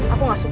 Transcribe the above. aku gak suka